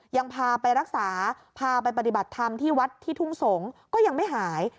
ยังพาไปรักษาพาไปปฏิบัติธรรมที่วัดที่ทุ่งสงศ์ก็ยังไม่หาย